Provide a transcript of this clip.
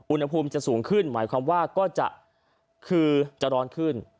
อุณหภูมิจะสูงขึ้นหมายความว่าก็จะคือจะร้อนขึ้น